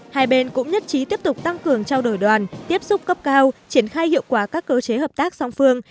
hai bên cũng nhất trí tiếp tục tăng cường trao đổi đoàn tiếp xúc cấp cao triển khai hiệu quả các cơ chế hợp tác song phương